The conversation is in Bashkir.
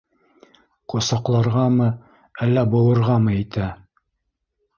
Ҡосаҡларғамы, әллә... быуырғамы итә?